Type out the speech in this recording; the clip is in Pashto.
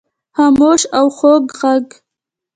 خاموش او خوږ ږغ